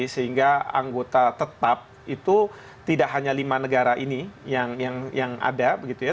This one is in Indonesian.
sehingga anggota tetap itu tidak hanya lima negara ini yang ada